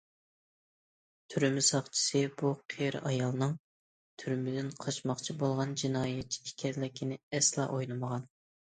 تۈرمە ساقچىسى بۇ« قېرى ئايالنىڭ» تۈرمىدىن قاچماقچى بولغان جىنايەتچى ئىكەنلىكىنى ئەسلا ئويلىمىغان.